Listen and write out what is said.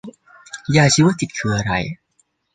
ยาชีวจิตคืออะไร